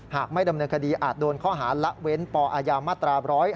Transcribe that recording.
หากไม่ดำเนินคดีอาจโดนข้อหาละเว้นปอาญามาตรา๑๕